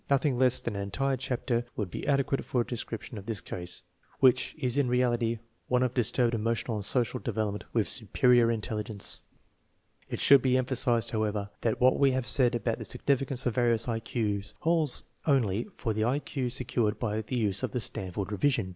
Nothing less than an entire chapter would be adequate for a description of this case, which is in reality one of dis turbed emotional and social development with superior intelligence. 104 THE MEASUREMENT OF INTELLIGENCE It should be emphasized, however, that what we have said about the significance of various I Q's holds only for the I Q's secured by the use of the Stanford revision.